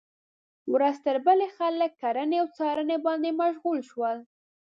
ورځ تر بلې خلک کرنې او څارنې باندې مشغول شول.